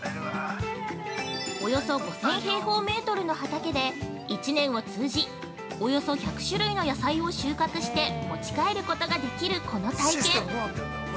◆およそ５０００平方メートルの畑で、１年を通じおよそ１００種類の野菜を収穫して持ち帰ることができるこの体験。